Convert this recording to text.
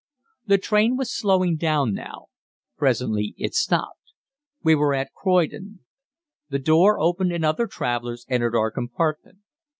The train was slowing down now. Presently it stopped. We were at Croydon. The door opened and other travellers entered our compartment.